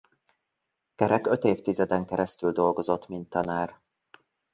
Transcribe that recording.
Kerek öt évtizeden keresztül dolgozott mint tanár.